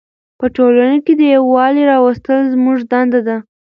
په ټولنه کې د یووالي راوستل زموږ دنده ده.